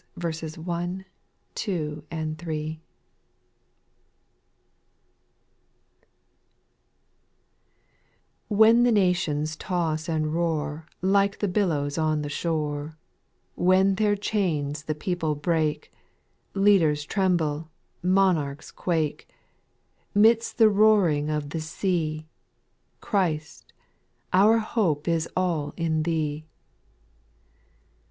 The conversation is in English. Psalm xlvi. 1, 2, 3. 1. TTTHEy the nations toss and roar, I T Like the billows on the shore^ When their chains the people break, Leaders tremble, monarchs quake ; Midst the roaring of the sea, Christ, our hope is all in Thee I 2.